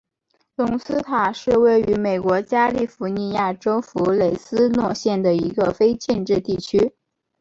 隆斯塔是位于美国加利福尼亚州弗雷斯诺县的一个非建制地区。